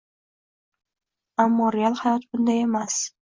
Ammo real hayot bunday emas